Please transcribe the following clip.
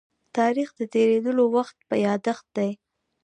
تاریخ د تېرېدلو وخت يادښت دی.